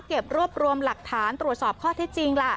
เก็บรวบรวมหลักฐานตรวจสอบข้อที่จริงล่ะ